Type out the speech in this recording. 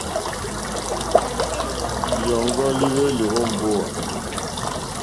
Lǐyɔ̀ŋgɔ́ líhwélì ó mbówà.